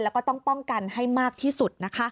แล้วก็ต้องป้องกันให้มากที่สุดนะคะ